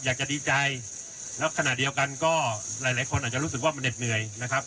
อยากจะดีใจแล้วขณะเดียวกันก็หลายหลายคนอาจจะรู้สึกว่ามันเหน็ดเหนื่อยนะครับ